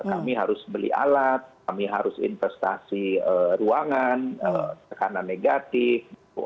kami harus beli alat kami harus investasi ruangan tekanan negatif